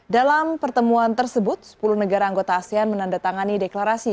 dalam pertemuan tersebut sepuluh negara anggota asean menandatangani deklarasi